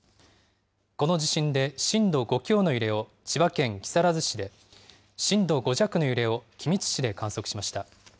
この地震で震度５強の揺れを千葉県木更津市で、震度５弱の揺れを君津市で観測しました。